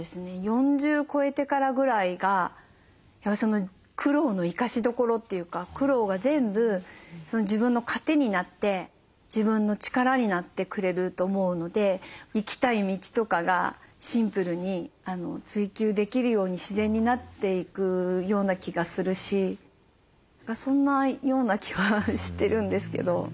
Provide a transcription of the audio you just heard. ４０超えてからぐらいがその苦労の生かしどころというか苦労が全部自分の糧になって自分の力になってくれると思うのでいきたい道とかがシンプルに追求できるように自然になっていくような気がするしそんなような気はしてるんですけど。